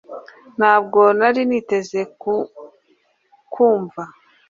Ntabwo nari niteze kukwumva